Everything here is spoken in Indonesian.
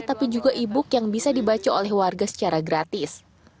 tapi juga e book yang bisa dibaca oleh warga secara gratis